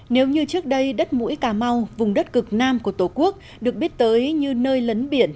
nếu như trước đây đất mũi cà mau vùng đất cực nam của tổ quốc được biết tới như nơi lấn biển